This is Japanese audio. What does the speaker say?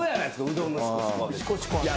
うどんのシコシコは。